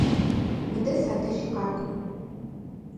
Мыдэ садэжь къакӏо!